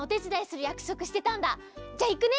じゃいくね！